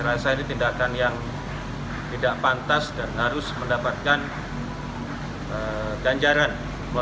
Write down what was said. rasa ini tindakan yang tidak pantas dan harus mendapatkan kekuatan yang lebih baik dari tempatnya